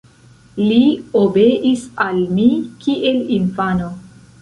Li obeis al mi kiel infano.